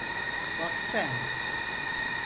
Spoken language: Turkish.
Bak sen.